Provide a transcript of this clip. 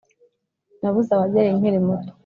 Nabuze ababyeyi nkiri muto